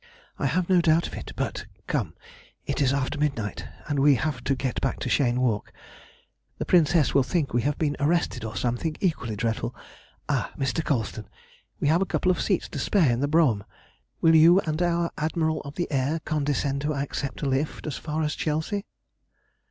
"I have no doubt of it. But, come, it is after midnight, and we have to get back to Cheyne Walk. The princess will think we have been arrested or something equally dreadful. Ah, Mr. Colston, we have a couple of seats to spare in the brougham. Will you and our Admiral of the Air condescend to accept a lift as far as Chelsea?"